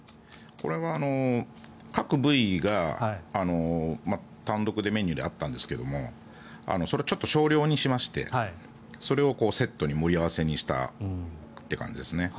これは各部位が単独でメニューであったんですけどもそれ、ちょっと少量にしましてそれをセットに盛り合わせにしたという感じですね。